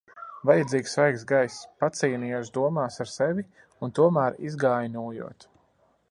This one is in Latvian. Vajadzīgs svaigs gaiss. Pacīnījos domās ar sevi un tomēr izgāju nūjot.